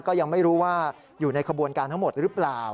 ก็ยังไม่รู้ว่าอยู่ในขบวนการทั้งหมดหรือเปล่า